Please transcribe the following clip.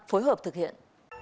phối hợp thực hiện